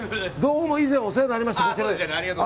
以前お世話になりました。